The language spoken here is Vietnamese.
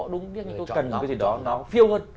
đúng tôi cần cái gì đó nó feel hơn